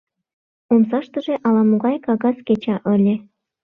Омсаштыже ала-могай кагаз кеча ыле.